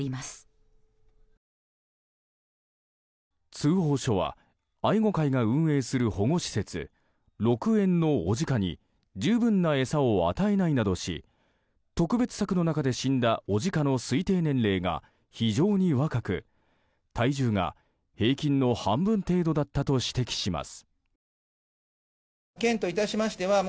通報書は愛護会が運営する保護施設鹿苑の牡鹿に十分な餌を与えないなどし特別柵の中で死んだ牡鹿の推定年齢が非常に若く体重が平均の半分程度だったと指摘します。